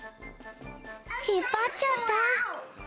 引っ張っちゃった。